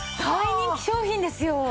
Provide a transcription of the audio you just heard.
大人気商品ですよ。